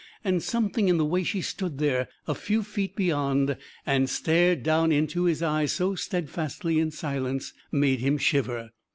And something in the way she stood there a few feet beyond, and stared down into his eyes so steadfastly in silence, made him shiver.